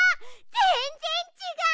ぜんぜんちがう。